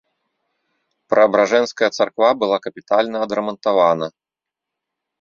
Праабражэнская царква была капітальна адрамантавана.